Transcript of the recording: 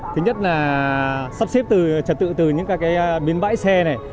thứ nhất là sắp xếp trật tự từ những cái biến bãi xe này